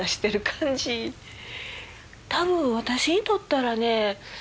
多分私にとったらね